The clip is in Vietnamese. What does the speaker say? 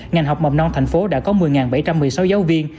ngành học mầm non tp hcm đã có một mươi bảy trăm một mươi sáu giáo viên